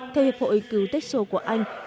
theo hiệp hội cừu texas của anh